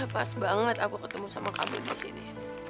pas banget aku ketemu sama kami di sini